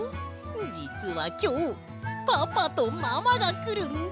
じつはきょうパパとママがくるんだ！